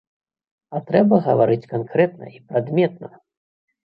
А трэба гаварыць канкрэтна і прадметна!